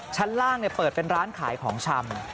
ชั้นล่างเปิดเป็นร้านขายของชำ